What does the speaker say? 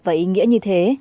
và ý nghĩa như thế